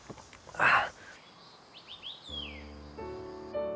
ああ。